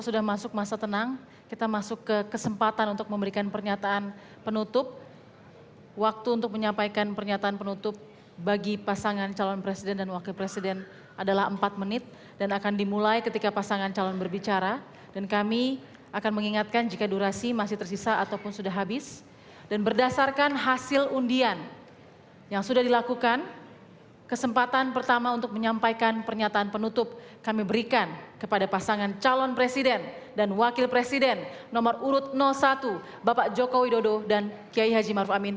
dan berdasarkan hasil undian yang sudah dilakukan kesempatan pertama untuk menyampaikan pernyataan penutup kami berikan kepada pasangan calon presiden dan wakil presiden nomor urut satu bapak jokowi dodo dan kiai haji maruf amin